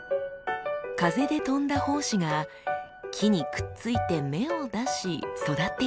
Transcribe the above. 風で飛んだ胞子が木にくっついて芽を出し育っているんです。